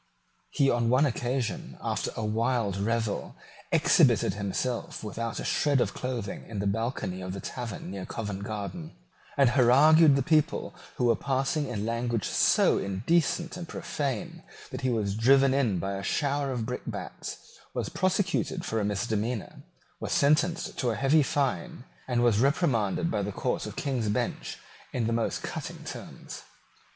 He on one occasion, after a wild revel, exhibited himself without a shred of clothing in the balcony of a tavern near Covent Garden, and harangued the people who were passing in language so indecent and profane that he was driven in by a shower of brickbats, was prosecuted for a misdemeanour, was sentenced to a heavy fine, and was reprimanded by the Court of King's Bench in the most cutting terms.